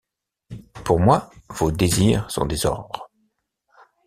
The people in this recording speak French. Pour moi vos désirs sont des ordres.